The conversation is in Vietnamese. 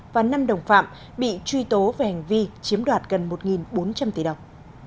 và năm đồng phạm bị truy tố về hành vi chiếm đoạt gần một bốn trăm linh tỷ đồng